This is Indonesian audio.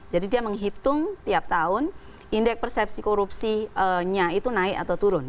jadi dia menghitung tiap tahun indeks persepsi korupsinya itu naik atau turun